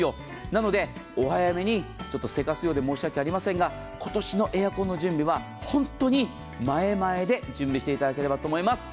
なのでお早めに、ちょっと急かすようで申し訳ありませんが今年のエアコンの準備は本当に前前で準備していただければと思います。